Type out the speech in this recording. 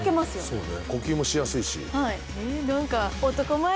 そうね呼吸もしやすいし。何か。